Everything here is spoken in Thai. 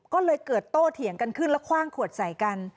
ก็เลยเกิดโต้เถียงกันขึ้นแล้วคว่างขวดใส่กัน